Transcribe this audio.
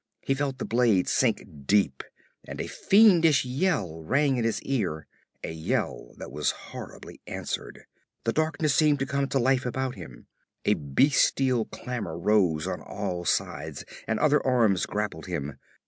He felt the blade sink deep, and a fiendish yell rang in his ear, a yell that was horribly answered. The darkness seemed to come to life about him. A bestial clamor rose on all sides, and other arms grappled him.